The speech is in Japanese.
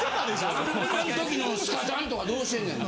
あん時のスカジャンとかどうしてんねんな？